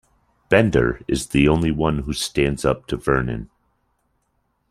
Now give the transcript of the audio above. Bender is the only one who stands up to Vernon.